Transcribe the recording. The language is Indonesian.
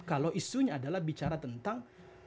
kalau isunya adalah bicara tentang